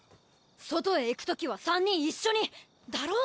外へ行く時は３人一緒にだろ？